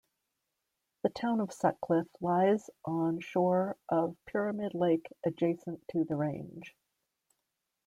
The town of Sutcliffe lies on shore of Pyramid Lake adjacent to the range.